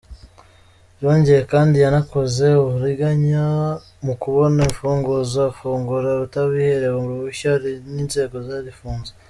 Byongeye kandi yanakoze uburiganya mu kubona imfunguzo afungura atabiherewe uruhushya n’inzego zarifunze.